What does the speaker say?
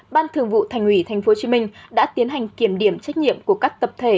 ban thường vụ thành ủy tp hcm đã tiến hành kiểm điểm trách nhiệm của các tập thể